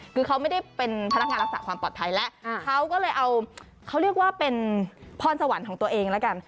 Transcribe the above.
คือเขาไม่ได้เป็นพนักงานรักษาความปลอดภัยแล้วเขาก็เลยเอาเขาเรียกว่าเป็นพรสวรรค์ของตัวเองแล้วกัน